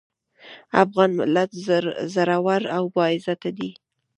افغان ملت زړور او باعزته دی.